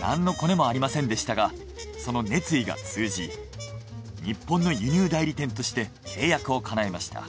なんのコネもありませんでしたがその熱意が通じ日本の輸入代理店として契約をかなえました。